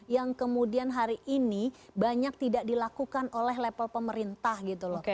yang kemudian hari ini banyak tidak dilakukan oleh level pemerintah gitu loh